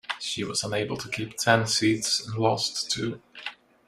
She was unable to keep ten seats and lost two.